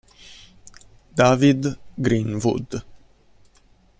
David Greenwood